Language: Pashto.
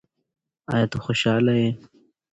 ایا ته خوشاله یې؟